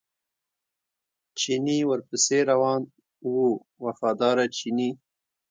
چیني ورپسې روان و وفاداره چیني.